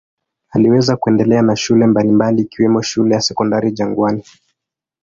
Aliweza kuendelea na shule mbalimbali ikiwemo shule ya Sekondari Jangwani.